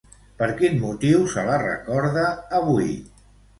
Per quin motiu se la recorda avui?